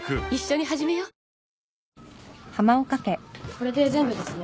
これで全部ですね。